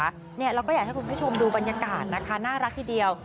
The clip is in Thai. เราก็อยากให้คุณผู้ชมดูบรรยากาศนะคะน่ารักทีเดียว